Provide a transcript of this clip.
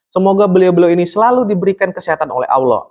semoga beliau beliau ini selalu diberikan kesehatan oleh allah